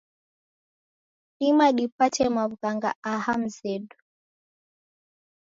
Ima dipate mawughanga aha mzedu